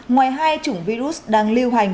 ngoài hai chủng virus đang lưu hành